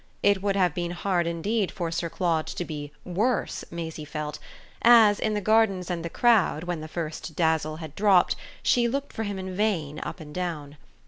It would have been hard indeed for Sir Claude to be "worse," Maisie felt, as, in the gardens and the crowd, when the first dazzle had dropped, she looked for him in vain up and down.